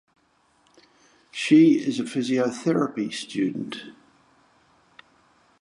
She is physiotherapy student.